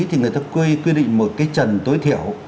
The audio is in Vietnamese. thì người ta quy quy định một cái trần tối thiểu